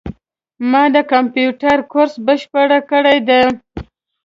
ما د کامپیوټر کورس بشپړ کړی ده